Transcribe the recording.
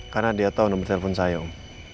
karena dia tau nomer telepon saya om